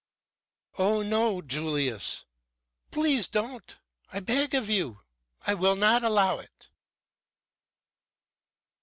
"Oh no, Julius! Please don't! I beg of you! I will not allow it!"